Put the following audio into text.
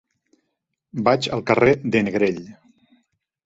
Vaig al carrer de Negrell.